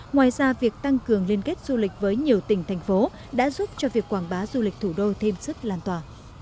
ngoài ra việc tăng cường liên kết du lịch với nhiều tỉnh thành phố đã giúp cho việc quảng bá du lịch thủ đô thêm sức lan tỏa